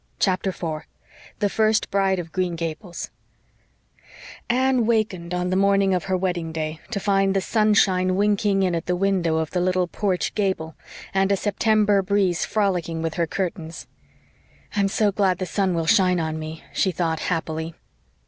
CHAPTER 4 THE FIRST BRIDE OF GREEN GABLES Anne wakened on the morning of her wedding day to find the sunshine winking in at the window of the little porch gable and a September breeze frolicking with her curtains. "I'm so glad the sun will shine on me," she thought happily.